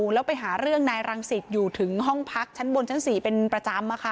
แล้วไปหาเรื่องนายรังสิตอยู่ถึงห้องพักชั้นบนชั้น๔เป็นประจำ